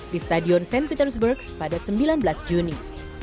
di stadion st petersburg pada sembilan belas juni